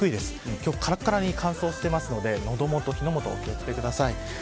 今日はからからに乾燥しているので喉元と火元にお気を付けください。